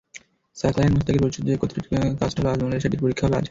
সাকলায়েন মুশতাকের পরিচর্যায় কতটা কাজ হলো আজমলের, সেটির পরীক্ষা হবে আজ।